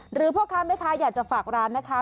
หรือพวกค้าไม่ค้าอยากจะฝากร้านนะคะ